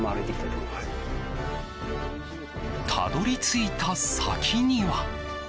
たどり着いた先には。